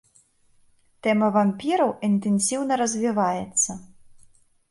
Тэма вампіраў інтэнсіўна развіваецца.